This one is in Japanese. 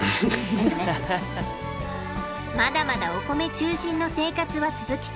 まだまだおこめ中心の生活は続きそう。